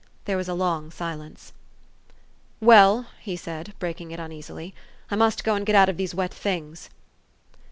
There was a long silence. "Well," he said, breaking it uneasily, " I must go and get out of these wet things."